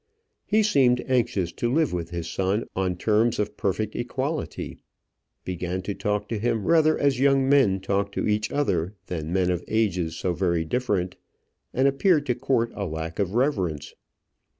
He seemed anxious to live with his son on terms of perfect equality; began to talk to him rather as young men talk to each other than men of ages so very different, and appeared to court a lack of reverence.